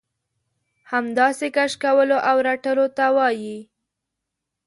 همداسې کش کولو او رټلو ته وايي.